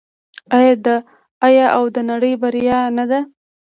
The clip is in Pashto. آیا او د نړۍ بریا نه ده؟